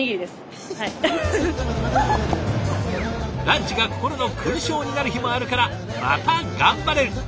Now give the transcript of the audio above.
ランチが心の勲章になる日もあるからまた頑張れる！